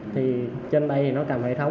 thì trên đây nó cầm hệ thống